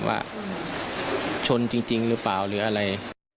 ว่าชนจริงหรือเปล่าหรืออะไร